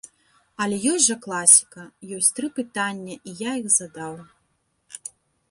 Але ёсць жа класіка, ёсць тры пытання, і я іх задаў.